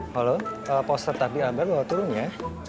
halo poster tablik akbar bawa turun ya